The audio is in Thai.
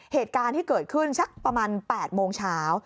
เหตุการณ์ที่เกิดขึ้นสักประมาณ๘โมงเช้า